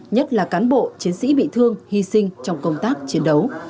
nhất là cán bộ chiến sĩ bị thương hy sinh trong công tác chiến đấu